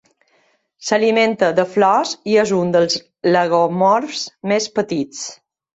S'alimenta de flors i és un dels lagomorfs més petits.